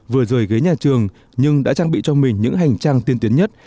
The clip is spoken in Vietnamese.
vừa rời ghế nhà trường nhưng đã trang bị cho mình những hành trang tiên tiến nhất